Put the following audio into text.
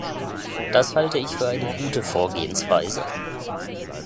Das halte ich für eine gute Vorgehensweise.